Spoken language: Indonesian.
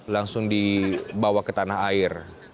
langsung dibawa ke tanah air